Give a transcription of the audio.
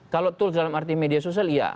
kalau tools dalam arti media sosial iya